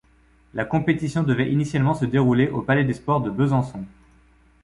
La compétition devait initialement se dérouler au Palais des Sports de Besançon.